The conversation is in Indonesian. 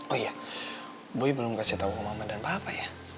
oh iya boy belum kasih tau ke mama dan papa ya